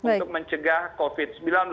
untuk mencegah covid sembilan belas